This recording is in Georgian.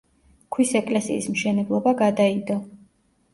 ქვის ეკლესიის მშენებლობა გადაიდო.